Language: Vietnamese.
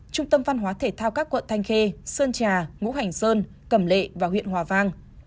trung tâm văn hóa thể thao các quận thanh khê sơn trà ngũ hành sơn cẩm lệ và huyện hòa vang